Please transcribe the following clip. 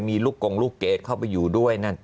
มีลูกกงลูกเกดเข้าไปอยู่ด้วยนั่น